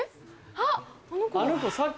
あっ！